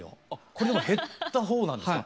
これでも減った方なんですか？